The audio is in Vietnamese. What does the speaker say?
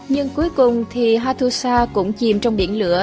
nhưng cuối cùng thì hattusa cũng chìm trong biển lửa